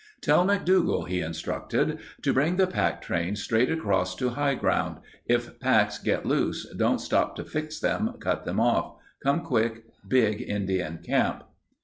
"Tell McDougall," he instructed, "to bring the pack train straight across to high ground— if packs get loose don't stop to fix them, cut them off. Come quick. Big Indian camp."